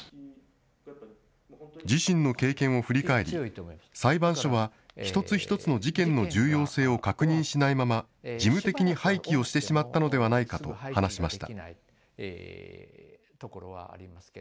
自身の経験を振り返り、裁判所は一つ一つの事件の重要性を確認しないまま、事務的に廃棄をしてしまったのではないかと話しました。